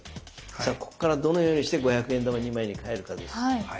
じゃあここからどのようにして５００円玉２枚に変えるかです。